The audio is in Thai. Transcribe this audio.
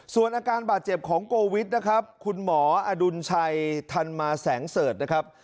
ส่วนอาการบาดเจ็บของโกวิทนะครับคุณหมออดุลชัยธันมาแสงเสิร์ชนะครับ